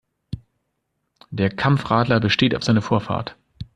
Der Kampfradler besteht auf seine Vorfahrt.